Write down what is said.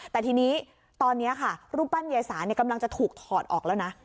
แต่ทีนี้ตอนนี้ค่ะรูปปั้นยายสากำลังจะถูกถอดออกแล้วนะ